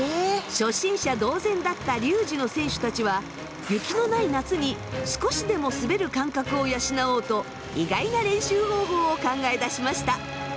初心者同然だったリュージュの選手たちは雪のない夏に少しでも滑る感覚を養おうと意外な練習方法を考え出しました。